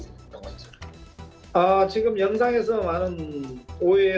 saya sangat sedih